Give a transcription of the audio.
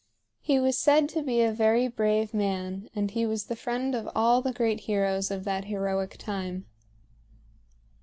He was said to be a very brave man, and he was the friend of all the great heroes of that heroic time.